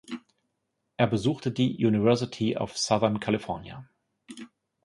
Er besuchte die University of Southern California.